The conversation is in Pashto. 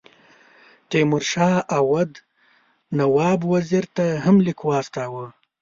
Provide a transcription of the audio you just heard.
تیمور شاه اَوَد نواب وزیر ته هم لیک واستاوه.